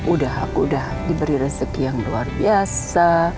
udah aku udah diberi rezeki yang luar biasa